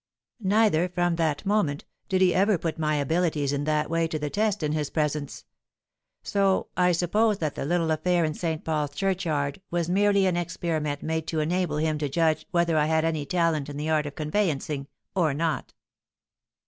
Neither, from that moment, did he ever put my abilities in that way to the test in his presence: so I suppose that the little affair in St. Paul's Churchyard was merely an experiment made to enable him to judge whether I had any talent in the art of conveyancing, or not.